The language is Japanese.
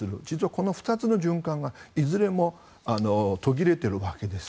この２つの循環がいずれも途切れているわけです。